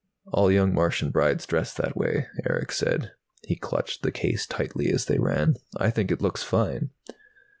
"All young Martian brides dress that way," Erick said. He clutched the case tightly as they ran. "I think it looks fine."